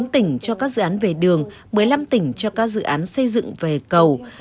một mươi tỉnh cho các dự án về đường một mươi năm tỉnh cho các dự án xây dựng về cầu